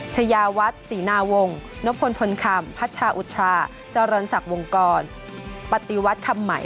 เชยาวัดศรีนาวงศ์นพลพลคำพัชออุทราจรรย์ศักดิ์วงกรปฏิวัตรธรรมไหม